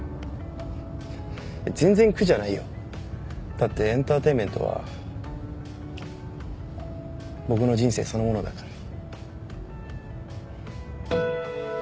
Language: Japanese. だってエンターテインメントは僕の人生そのものだから。